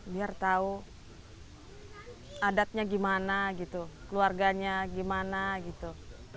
biar tahu adatnya gimana gitu keluarganya gimana gitu